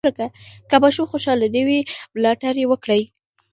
که ماشوم خوشحاله نه وي، ملاتړ یې وکړئ.